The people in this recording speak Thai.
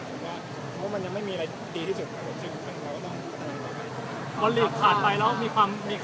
เพราะมันยังไม่มีอะไรดีที่จุดถึงเราก็ต้องดีกว่าใหม่